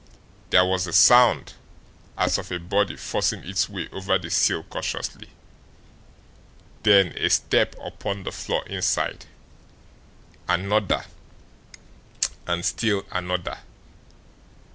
There was the sound as of a body forcing its way over the sill cautiously, then a step upon the floor inside, another, and still another.